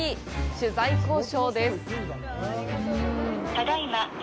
取材交渉です！